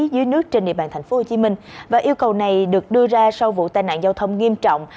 dưới nước trên địa bàn tp hcm và yêu cầu này được đưa ra sau vụ tai nạn giao thông nghiêm trọng